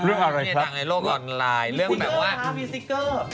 เรื่องอะไรครับดังในโลกออนไลน์เรื่องแบบว่าสิกเกอร์ค่ะมีสิกเกอร์